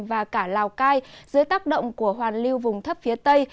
và cả lào cai dưới tác động của hoàn lưu vùng thấp phía tây